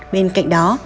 bên cạnh đó